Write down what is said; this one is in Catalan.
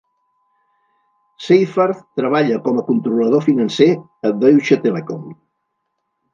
Seyfarth treballa com a controlador financer a Deutsche Telekom.